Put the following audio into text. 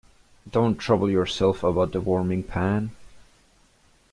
Don’t trouble yourself about the warming-pan.